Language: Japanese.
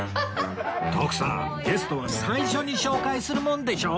徳さんゲストは最初に紹介するもんでしょ！